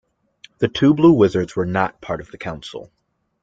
The two Blue Wizards were not part of the Council.